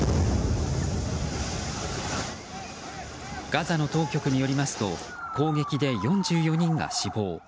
ガザの当局によりますと攻撃で４４人が死亡。